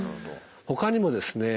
ほかにもですね